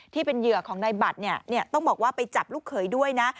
ที่เป็นเหยื่อของนายบัตรเนี่ยต้องบอกว่าไปจับลูกเขยด้วยนะ